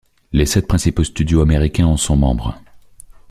Les sept principaux studios américains en sont membres.